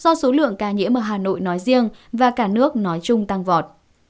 do số lượng ca nhiễm ở hà nội nói riêng và cả nước nói chung tăng vọt